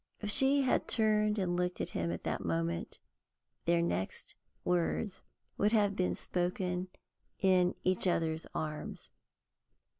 If she had turned and looked at him at that moment, their next words would have been spoken in each other's arms.